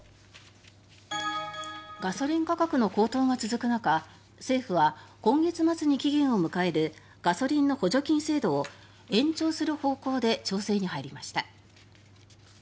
ガソリン価格の高騰が続く中政府は今月末に期限を迎えるガソリンの補助金制度を延長する方向で調整に入りました。